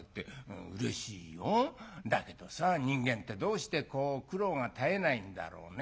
だけどさ人間ってどうしてこう苦労が絶えないんだろうね。